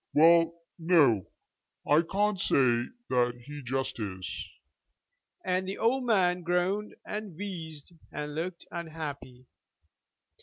Well, no; I can't say that he just is;" and the old man groaned, and wheezed, and looked unhappy.